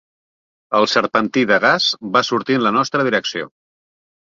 El serpentí de gas va sortir en la nostra direcció.